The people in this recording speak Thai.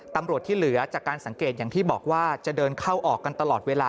ตำรวจที่เหลือจากการสังเกตอย่างที่บอกว่าจะเดินเข้าออกกันตลอดเวลา